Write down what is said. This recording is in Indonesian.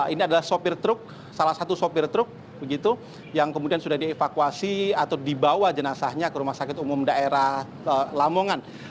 ini adalah sopir truk salah satu sopir truk begitu yang kemudian sudah dievakuasi atau dibawa jenazahnya ke rumah sakit umum daerah lamongan